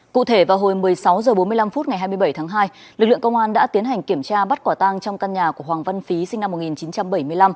cụ thể vào hồi một mươi sáu h bốn mươi năm ngày hai mươi bảy tháng hai lực lượng công an đã tiến hành kiểm tra bắt quả tang trong căn nhà của hoàng văn phí sinh năm một nghìn chín trăm bảy mươi năm